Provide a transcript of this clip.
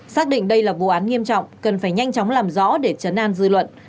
xác định đây là vụ án nghiêm trọng cần phải nhanh chóng làm rõ để chấn an dư luận